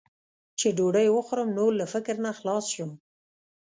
چې ډوډۍ وخورم، نور له فکر نه خلاص شم.